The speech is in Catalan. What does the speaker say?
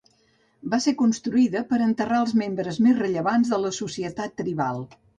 Va ser construïda per enterrar els membres més rellevants de la societat tribal.